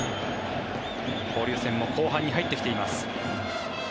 交流戦も後半に入ってきています。